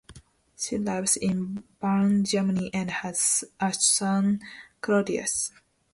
She lives in Bonn, Germany and has a son Claudius.